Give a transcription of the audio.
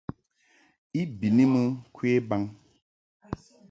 I bɨni mɨ ŋkwe baŋ.